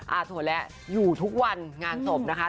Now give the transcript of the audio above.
โถแล้วอยู่ทุกวันงานศพนะคะ